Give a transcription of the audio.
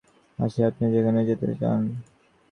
আমার সঙ্গে একটা মাইক্রোবাস আছে, আপনি যেখানে যেতে চান।